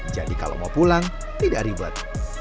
jadi kalau mau pulang tidak ribet